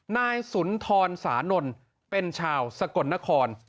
นายสุนทรสานนท์เป็นชาวสกลนคร